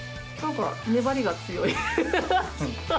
なんか粘りが強い。